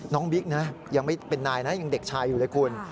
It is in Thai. บิ๊กนะยังไม่เป็นนายนะยังเด็กชายอยู่เลยคุณ